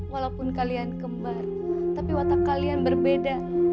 walaupun kalian kembar tapi watak kalian berbeda